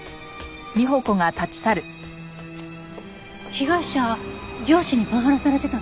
被害者上司にパワハラされてたの？